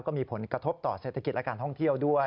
ก็มีผลกระทบต่อเศรษฐกิจและการท่องเที่ยวด้วย